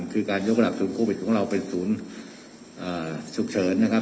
คือการยกระดับศูนย์โควิดของเราเป็นศูนย์ฉุกเฉินนะครับ